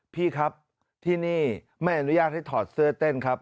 พี่ครับที่นี่ไม่อนุญาตให้ถอดเสื้อเต้นครับ